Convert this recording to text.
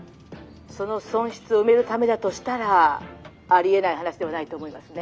「その損失を埋めるためだとしたらありえない話ではないと思いますね」。